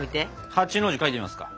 ８の字描いてみますか？